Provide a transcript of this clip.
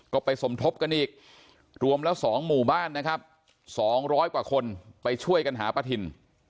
ก็ไปสมทบกันอีกรวมแล้ว๒หมู่บ้านนะครับ๒๐๐กว่าคนไปช่วยกันหาประถิ่น